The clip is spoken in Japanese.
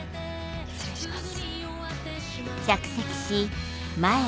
失礼します。